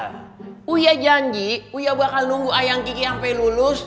gue janji gue bakal nunggu ayam kiki sampe lulus